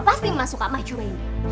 pasti mbak suka mbak cuma ini